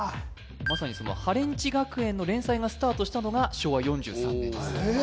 まさにその「ハレンチ学園」の連載がスタートしたのが昭和４３年ですえ！